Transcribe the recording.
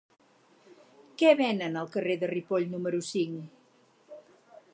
Què venen al carrer de Ripoll número cinc?